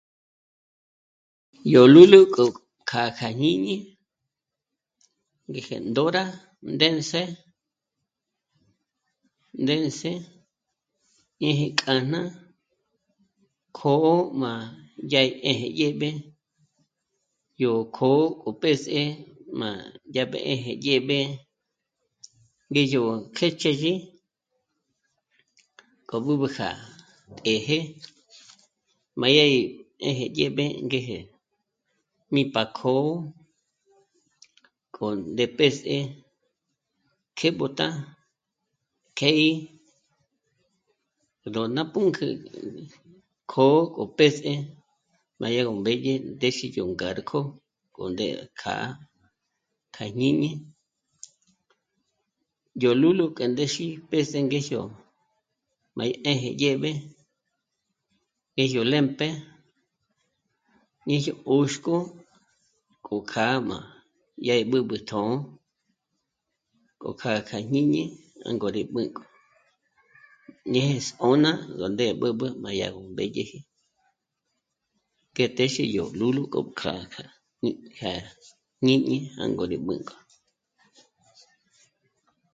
Yó lúlu k'o kjâ'a kja jñíñi ngéje ndóra ndéndze, ndéndze 'ë́jë kjá'n'a kjō̌'ō má dyá 'éje dyèb'e yó kjō̌'ō k'o p'és'e, má 'éje dyéb'e ngé yó kjéch'eji k'o b'ǚb'ü kja të́jë, má dyági 'éje dyèb'e ngéje mí pa kjṓ'ō, k'o ndép'e së̀'ë kjë́b'utja, kjë́'ë í ndó ná pǚnk'ü kjṓ'ō k'o pés'e má yá gó mbédye ndéxe yó ngârk'o k'o ndé'e kjâ'â kja jñíñi yó lúlu k'a ndéxi p'és'e ngéjyo má 'áji dyèb'e, ngéjyo lêmp'e ñéjyo 'ö́xk'o gó kjǎjm'a yá b'ǚb'ütjo gó kjâ'a kja jñíñi jângo rí b'ǚnk'o, ñeje s´ô'n'a gó ndé b'ǚb'u má dyá gó mbédyeji k'e téxi yó lúlu gó kjâ'a kja jñíñi jângo rí b'ǚnk'o